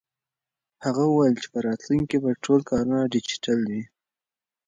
هغه وویل چې په راتلونکي کې به ټول کارونه ډیجیټل وي.